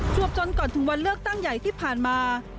วบจนก่อนถึงวันเลือกตั้งใหญ่ที่ผ่านมา